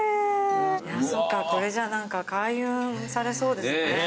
そっかこれじゃあ何か開運されそうですね。